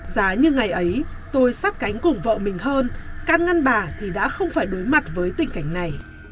giá như ngày ấy tôi sát cánh cùng vợ mình hơn can ngăn bà thì đã không phải đối mặt với tình cảnh này